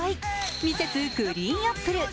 Ｍｒｓ．ＧＲＥＥＮＡＰＰＬＥ。